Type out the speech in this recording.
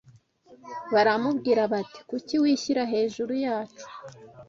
baramubwira bati kuki wishyira hejuru yacu